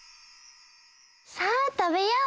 さあたべよう！